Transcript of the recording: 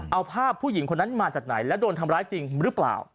เอาภาพผู้หญิงคนนั้นมาจากไหนและโดนทำร้ายจริงหรือเปล่า